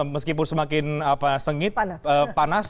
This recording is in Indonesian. meskipun semakin sengit panas